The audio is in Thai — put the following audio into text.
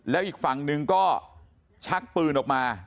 แล้วอีกฝั่งหนึ่งก็ชักปืนออกมา